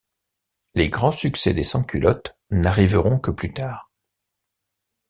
Les grands succès des sans-culottes n’arriveront que plus tard.